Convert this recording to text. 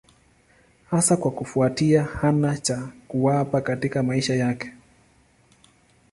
Hasa kwa kufuatia hana cha kuwapa katika maisha yake.